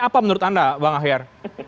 apa menurut anda bang ahyar